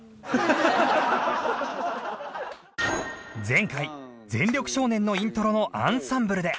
前回『全力少年』のイントロのアンサンブルで